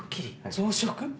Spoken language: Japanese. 増殖？